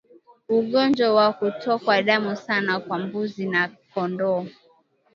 Ugonjwa wa kutokwa damu sana kwa mbuzi na kondoo